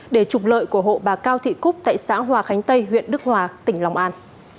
để trục lợi của hộ bà cao thị cúc tại xã hòa khánh tây huyện đức hòa tỉnh long an